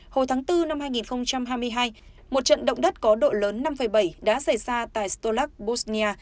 hồi tháng bốn năm hai nghìn hai mươi hai một trận động đất có độ lớn năm bảy đã xảy ra tại stolach bosnia